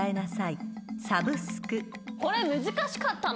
これ難しかったな。